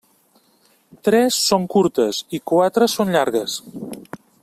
Tres són curtes i quatre són llargues.